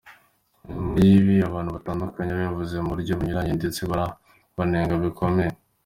Nyuma y’ibi, abantu batandukanye babivuze mu buryo bunyuranye ndetse barabanenga bikomeye.